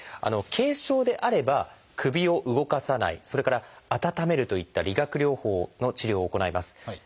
軽症であれば首を動かさないそれから温めるといった理学療法の治療を行います。